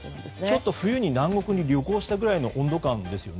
ちょっと冬に南国に旅行したくらいの温度感ですね。